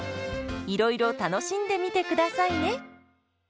いろいろ楽しんでみてくださいね。